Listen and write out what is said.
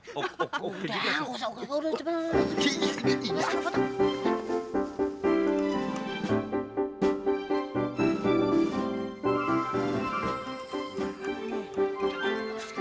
oh oh oh kejadian